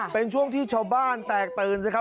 เป็นช่วงที่ชาวบ้านแตกตื่นสิครับ